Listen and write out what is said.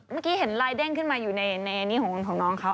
เมื่อกี้เห็นลายแน่งขึ้นมาอยู่ในของน้องเขา